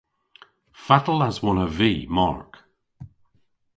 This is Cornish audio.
Fatel aswonnav vy Mark?